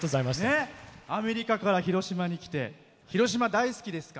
アメリカから広島来て広島大好きですか。